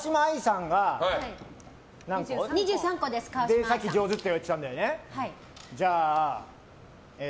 で、さっき上手って言われてたんだよね。